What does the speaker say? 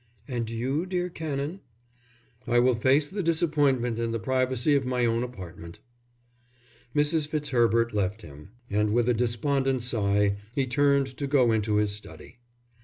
"And you, dear Canon?" "I will face the disappointment in the privacy of my own apartment." Mrs. Fitzherbert left him, and with a despondent sigh he turned to go into his study.